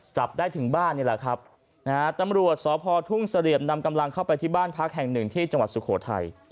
จับได้ถึงบ้านนี่แหละครับนะฮะตำรวจสพทุ่งเสลี่ยมนำกำลังเข้าไปที่บ้านพักแห่งหนึ่งที่จังหวัดสุโขทัย